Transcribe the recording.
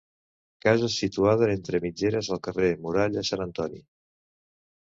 Casa situada entre mitgeres al carrer Muralla Sant Antoni.